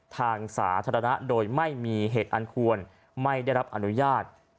ทางสาธารณะโดยไม่มีเหตุอันควรไม่ได้รับอนุญาต